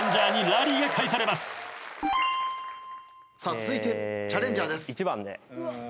続いてチャレンジャーです。